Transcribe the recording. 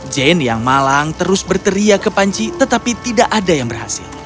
jane yang malang terus berteriak ke panci tetapi tidak ada yang berhasil